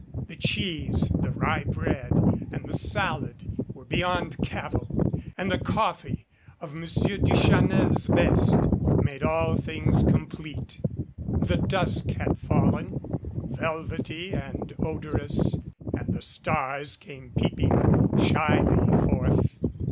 The cheese, the rye bread, and the salad were beyond cavil; and the coffee of Monsieur Du chanel's best made all things complete. The dusk had fallen, velvety and odorous, and the stars came peeping shyly forth.